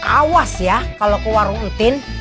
awas ya kalau keluar rutin